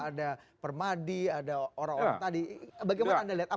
ada permadi ada orang orang yang sudah berurusan dengan hukum